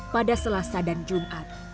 pada selasa dan jumat